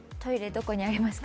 どこにありますか？